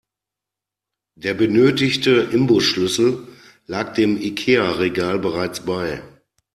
Der benötigte Imbusschlüssel lag dem Ikea-Regal bereits bei.